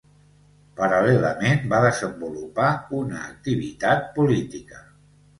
Paral·lelament, va desenvolupar una activitat política.